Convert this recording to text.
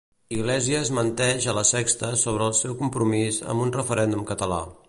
Iglesias menteix a La Sexta sobre el seu compromís amb un referèndum català.